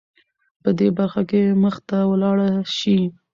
په دې برخه کې مخته ولاړه شې .